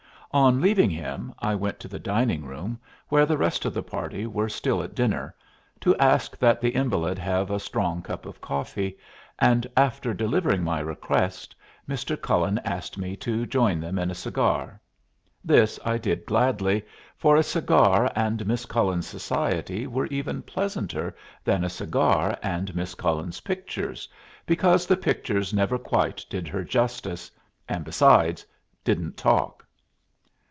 On leaving him, I went to the dining room, where the rest of the party were still at dinner, to ask that the invalid have a strong cup of coffee, and after delivering my request Mr. Cullen asked me to join them in a cigar. This I did gladly, for a cigar and Miss Cullen's society were even pleasanter than a cigar and Miss Cullen's pictures, because the pictures never quite did her justice, and, besides, didn't talk.